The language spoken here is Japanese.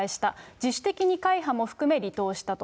自主的に会派も含め離党したと。